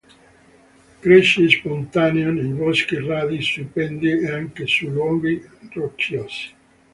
Cresce spontaneo nei boschi radi, sui pendii e anche su luoghi rocciosi.